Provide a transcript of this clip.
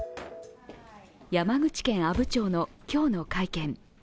山口県阿武町の今日の会見。